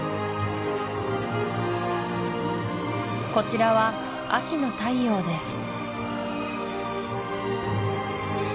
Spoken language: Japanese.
こちらは秋の太陽です